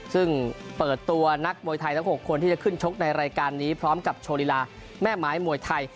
ซึ่งเปิดตัวนักมวยไทยทั้ง๖คนที่จะขึ้นชกในรายการนี้พร้อมกับโชว์ลีลาแม่ไม้มวยไทย